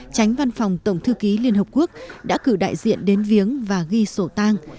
tránh văn phòng tổng thư ký liên hợp quốc đã cử đại diện đến viếng và ghi sổ tang